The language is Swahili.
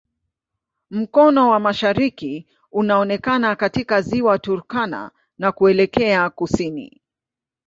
Mkono wa mashariki unaonekana katika Ziwa Turkana na kuelekea kusini.